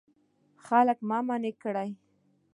خلک منع نه کړې.